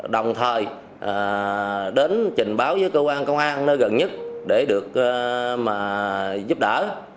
đồng thời đến trình báo với cơ quan công an nơi gần nhất để được giúp đỡ